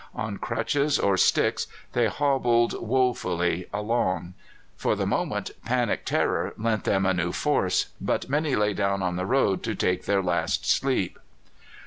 On crutches or sticks they hobbled woefully along. For the moment panic terror lent them a new force, but many lay down on the road to take their last sleep.